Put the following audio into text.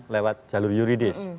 lewat jalur yuridis